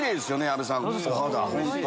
阿部さん